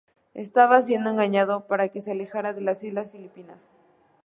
Estaba siendo engañado para que se alejara de las Islas Filipinas.